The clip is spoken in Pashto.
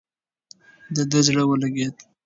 د ده زړه ولګېد.